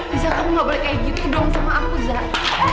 bisa kamu gak boleh kayak gitu dong sama aku zat